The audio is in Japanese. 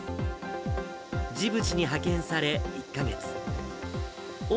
ジブチに派遣され、１か月。